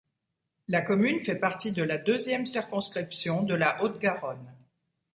La commune fait partie de la deuxième circonscription de la Haute-Garonne.